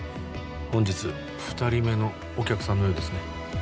本日二人目のお客さんのようですね